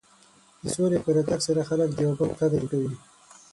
د سولې په راتګ سره خلک د یو بل قدر کوي.